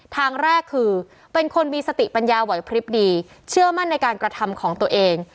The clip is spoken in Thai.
ทางแรกคือเป็นคนมีสติปัญญาไหวพลิบดีเชื่อมั่นในการกระทำของตัวเอง